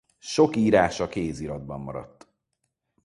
Sok írása kéziratban maradt.